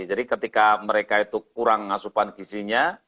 jadi ketika mereka itu kurang asupan gizinya